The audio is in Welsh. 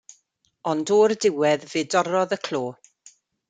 Ond o'r diwedd fe dorrodd y clo.